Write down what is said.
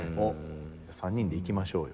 じゃあ３人で行きましょうよ